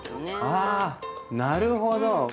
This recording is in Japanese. あなるほど。